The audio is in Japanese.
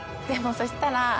でもそしたら。